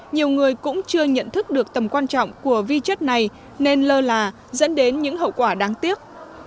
nhiều người cũng chưa nhận thức được tầm quan trọng của vi chất này nên lơ là dẫn đến những hậu quả đáng tiếc